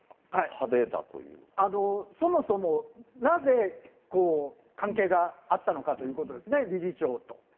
そもそも、なぜ関係があったのかということですね、理事長と。